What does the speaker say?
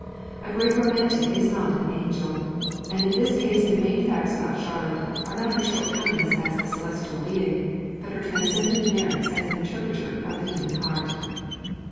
A great Romantic is not an angel: and in this case the main facts about Charlotte are not her shortcomings as a celestial being, but her transcendent merits as an interpreter of the human heart.